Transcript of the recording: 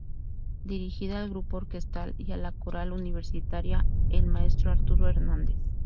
Dirigía al Grupo Orquestal y a la Coral Universitaria el Maestro Arturo Hernández.